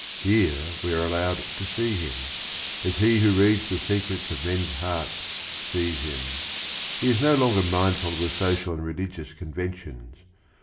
Here'We are allowed to see him, as Me who reads the secrets of men's hearts sees him. He is no longer mindful of the social and religious con ventions.